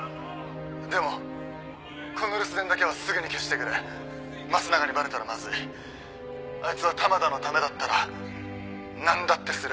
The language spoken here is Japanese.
「でもこの留守電だけはすぐに消してくれ」「益永にバレたらまずい」「あいつは玉田のためだったらなんだってする」